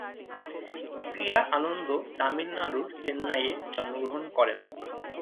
প্রিয়া আনন্দ তামিলনাড়ুর চেন্নাইয়ে জন্মগ্রহণ করেন।